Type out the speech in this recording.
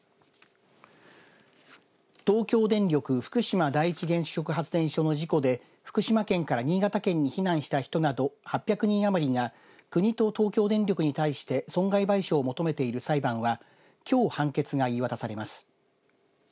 東京電力福島第一原子力発電所の事故で福島県から新潟県に避難した人など８００人余りが国と東京電力に対して損害賠償を求めている裁判は、きょう判決が言い渡されます。